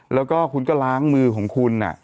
แล้วก็คุณก็ล้างมือของคุณ